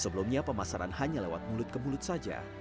sebelumnya pemasaran hanya lewat mulut ke mulut saja